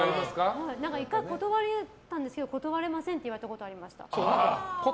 １回断ったんですけど断れませんって言われました。